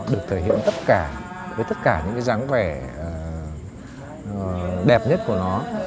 được thể hiện tất cả với tất cả những cái dáng vẻ đẹp nhất của nó